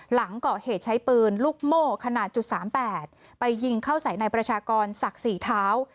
หลังก่อเหตุใช้ปืนลูกโม่ขนาดจุด๓๘ไปยิงเข้าใส่ในประชากรศักดิ์สี่เท้า